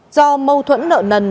do mâu thuẫn nợ nần